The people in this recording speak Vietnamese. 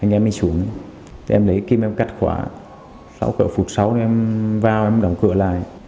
anh em đi xuống em lấy kim em cắt khóa sáu cửa phục sáu em vào em đóng cửa lại